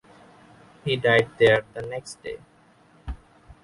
He died there the next day.